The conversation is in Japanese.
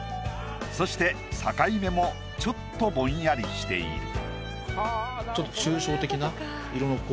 そして境目もちょっとぼんやりしている。